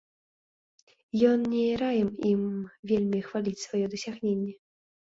Ён не раім ім вельмі хваліць свае дасягненні.